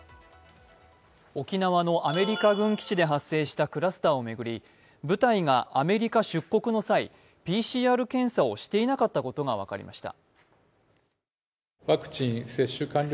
沖縄のアメリカ軍基地で発生したクラスターを巡り、部隊がアメリカ出国の際、ＰＣＲ検査をしていなかったことが分かりました。